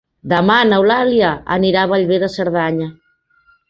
Demà n'Eulàlia anirà a Bellver de Cerdanya.